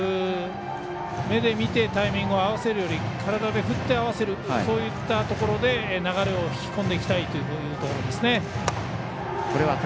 目で見てタイミングを合わせるより体を振って合わせるそういったところで流れを引き込んでいきたいところですね。